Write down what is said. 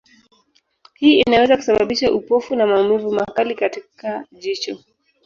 Hii inaweza kusababisha upofu na maumivu makali katika jicho.